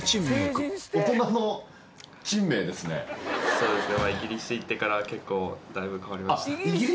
そうですね。